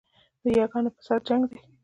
د یاګانو پر سر جنګ دی